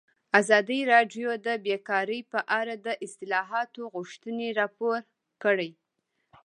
ازادي راډیو د بیکاري په اړه د اصلاحاتو غوښتنې راپور کړې.